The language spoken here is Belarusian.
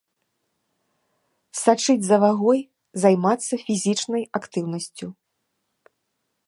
Сачыць за вагой, займацца фізічнай актыўнасцю.